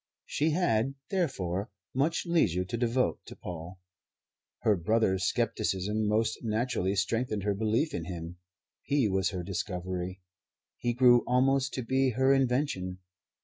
She had, therefore, much leisure to devote to Paul. Her brother's scepticism most naturally strengthened her belief in him. He was her discovery. He grew almost to be her invention.